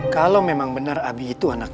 sampai ketemu di telfon